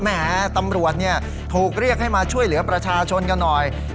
แหมตำรวจถูกเรียกให้มาช่วยเหลือประชาชนกันหน่อย